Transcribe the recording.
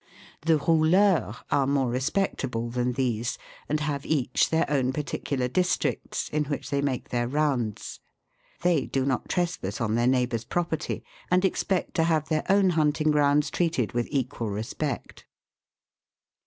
The rouleurs are more respectable than these, and have each their own particular districts, in which they make their rounds ; they do not trespass on their neighbours' property, and expect to have their own hunting grounds treated with equal respect.